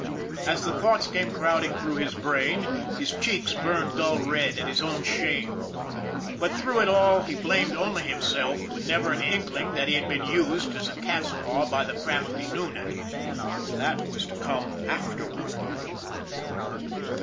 As the thoughts came crowding through his brain, his cheeks burned dull red at his own shame. But through it all he blamed only himself, with never an inkling that he had been used as a cat's paw by the crafty Noonan that was to come afterward.